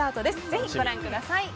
ぜひ、ご覧ください。